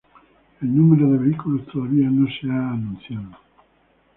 El número de vehículos todavía no se ha anunciado.